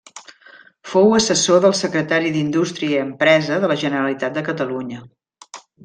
Fou assessor del Secretari d'Indústria i Empresa de la Generalitat de Catalunya.